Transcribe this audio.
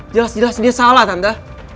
jelas jelas dia salah tanda